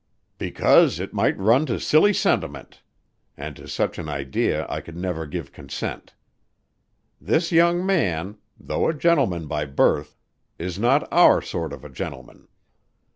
"Because it might run to silly sentiment and to such an idea I could never give consent. This young man, though a gentleman by birth, is not our sort of a gentleman.